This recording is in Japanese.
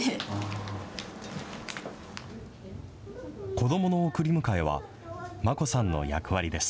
子どもの送り迎えは、マコさんの役割です。